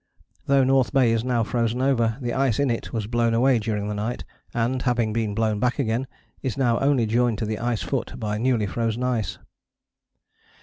Though North Bay is now frozen over, the ice in it was blown away during the night, and, having been blown back again, is now only joined to the ice foot by newly frozen ice."